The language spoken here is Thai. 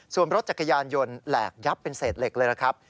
ส่วนรถจักรยานยนต์แหลกยับเป็นเศษเหล็กเลยนะครับ